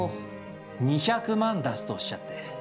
坪２００万出すとおっしゃって。